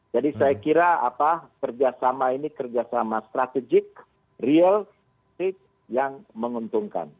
jadi saya kira kerjasama ini kerjasama strategis real yang menguntungkan